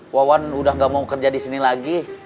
wawan udah gak mau kerja disini lagi